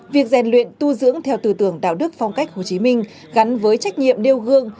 việc rèn luyện tu dưỡng theo tư tưởng đạo đức phong cách hồ chí minh gắn với trách nhiệm nêu gương